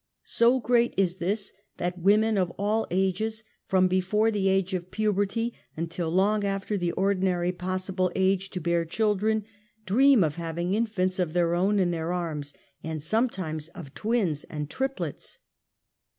So great is this that women of all ages, from before the age of puberty, until long after the ordinary possible age to bear children, > dream of having infants of their own in their arms, and sometimes of twj.ns and triplets.